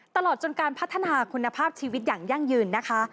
ตลอดจนการพัฒนาคุณภาพชีวิตอย่างยั่งยืนนะคะ